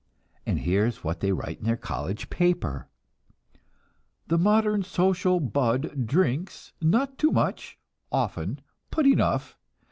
And here is what they write in their college paper: "The modern social bud drinks, not too much, often, but enough.